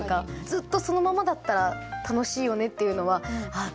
ずっとそのままだったら楽しいよねっていうのはああ